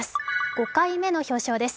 ５回目の表彰です。